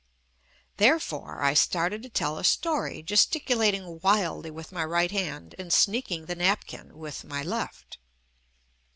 Therefore, I started to tell a story gesticulating wildly with my right hand and sneaking the napkin with my left.